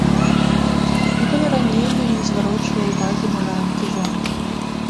Ніколі раней ён не зварочваў увагі на лаянкі жонкі.